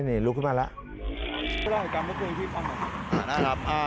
นี่ลุกขึ้นมาแล้ว